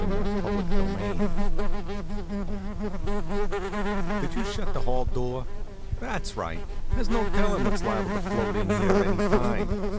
Not? CHAPTER VIII Did you shut the hall door? That's right. There's no tellin' what's liable to float in here any time.